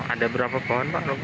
ada berapa pohon pak